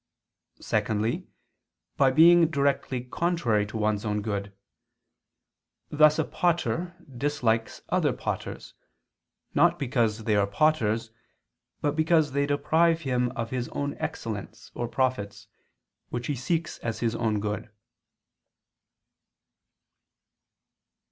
Secondly, by being directly contrary to one's own good: thus a potter dislikes other potters, not because they are potters, but because they deprive him of his own excellence or profits, which he seeks as his own good.